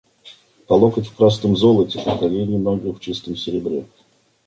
По локоть в красном золоте, по колени ноги в чистом серебре.